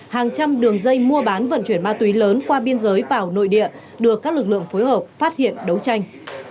hàng trăm đường dây mua bán vận chuyển ma túy lớn qua biên giới vào nội địa được các lực lượng phối hợp phát hiện đấu tranh